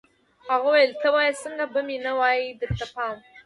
هغه ویل ته وایه څنګه به مې نه وي درته پام